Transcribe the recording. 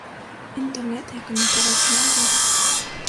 Інтэрнэт я каментаваць не буду.